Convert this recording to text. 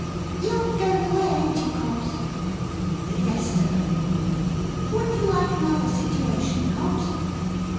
"You're going away, ain't you, Cobbs?" "Yes, sir." "Would you like another situation, Cobbs?"